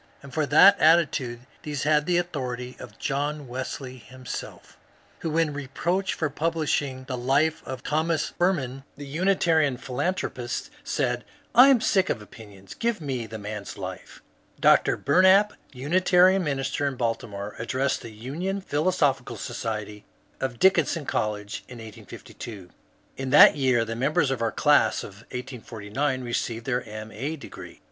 And for that attitude these had the authority of John Wesley himself, who when ' reproached for publishing the Life of Thomas Firmin, the Unitarian philanthropist, said, I am sick of opinions ; give me the man's life I " Dr. Bumap, Unitarian minister in Baltimore, addressed the Union Philosophical Society of Dickinson College in 1852. In that year the members of our class of 1849 re ceived their M. A. degree.